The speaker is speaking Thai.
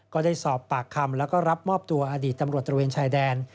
ก็ได้สอบปากคำแล้วก็รับมอบตัวอดีตตำรวจตระเวนชายแดน